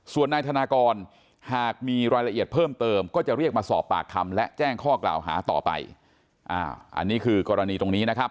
ส่วนนายธนากรหากมีรายละเอียดเพิ่มเติมก็จะเรียกมาสอบปากคำและแจ้งข้อกล่าวหาต่อไปอันนี้คือกรณีตรงนี้นะครับ